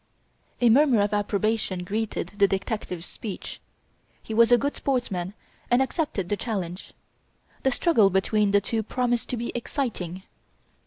A murmur of approbation greeted the detective's speech. He was a good sportsman and accepted the challenge. The struggle between the two promised to be exciting.